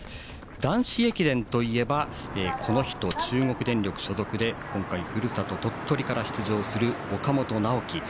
男子駅伝といえばこの人中国電力所属で今回、ふるさとの鳥取から出場する、岡本直己。